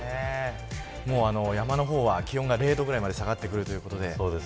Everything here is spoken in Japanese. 山の方は気温が０度ぐらいまで下がってくるということで。